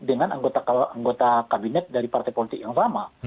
dengan anggota kabinet dari partai politik yang sama